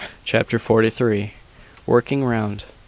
CHAPTER FORTY THREE. WORKING ROUND.